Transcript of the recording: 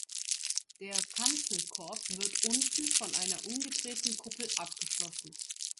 Der Kanzelkorb wird unten von einer umgedrehten Kuppel abgeschlossen.